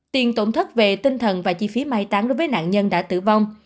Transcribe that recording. tiền tổn thất về tinh thần và chi phí mai táng đối với nạn nhân đã tử vong